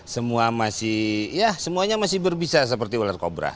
semua masih ya semuanya masih berbisa seperti ular kobra